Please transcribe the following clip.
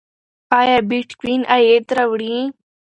ایا بېټکوین عاید راوړي؟